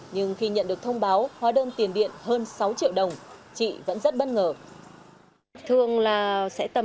nhưng khi nhận được thông báo hóa đơn tiền điện hơn sáu triệu đồng chị vẫn rất bất ngờ